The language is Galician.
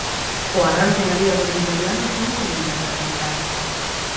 O arranque na Liga dos vitorianos non convida á tranquilidade.